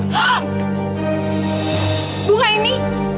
hah bunga ini